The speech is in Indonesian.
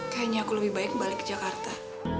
kayaknya aku lebih baik balik ke jakarta